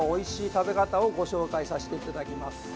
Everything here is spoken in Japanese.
食べ方をご紹介させていただきます。